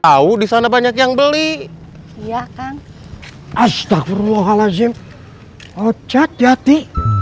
tahu di sana banyak yang beli ya kan astaghfirullahaladzim ojad yati